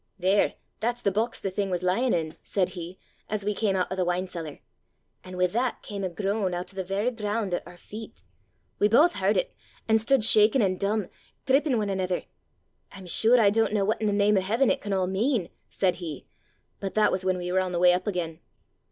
"'There, that's the box the thing was lyin' in!' said he, as we cam oot o' the wine cellar. An' wi' that cam a groan oot o' the varra ground at oor feet! We both h'ard it, an' stood shakin' an' dumb, grippin' ane anither. 'I'm sure I don't know what in the name o' heaven it can all mean!' said he but that was when we were on the way up again.